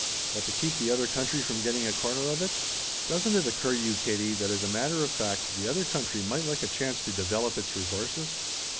"But to keep the other country from getting a corner of it?" "Doesn't it occur to you, Katie, that as a matter of fact the other country might like a chance to develop its resources?